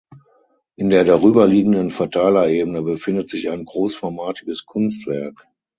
In der darüberliegenden Verteilerebene befindet sich ein großformatiges Kunstwerk.